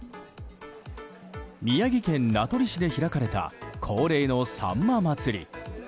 宮城県名取市で開かれた恒例のさんま祭り。